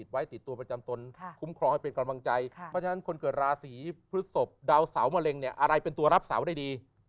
ไว้ติดตัวประจำตนคุ้มครองให้เป็นกำลังใจเพราะฉะนั้นคนเกิดราศีพฤศพดาวเสามะเร็งเนี่ยอะไรเป็นตัวรับเสาได้ดี